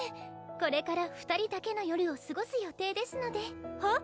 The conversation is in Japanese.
これから二人だけの夜を過ごす予定ですのではっ？